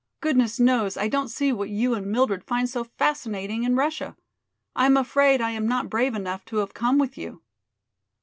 Goodness knows, I don't see what you and Mildred find so fascinating in Russia! I am afraid I am not brave enough to have come with you."